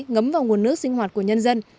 ngấm vào nguồn nước sinh hoạt của nhân dân